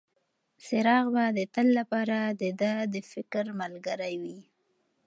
څراغ به د تل لپاره د ده د فکر ملګری وي.